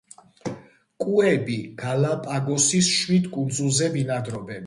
კუები გალაპაგოსის შვიდ კუნძულზე ბინადრობენ.